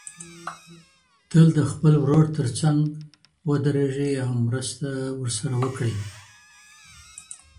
تل د خپل ورور تر څنګ ودرېږئ او مرسته ورسره وکړئ.